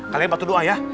kalian bantu doa ya